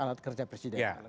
alat kerja presiden